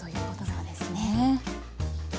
そうですね。